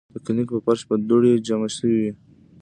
د کلینک پۀ فرش به دوړې جمع شوې وې ـ